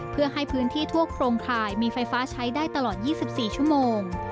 เพื่อให้พื้นที่ทั่วโครงข่ายมีไฟฟ้าใช้ได้ตลอด๒๔ชั่วโมง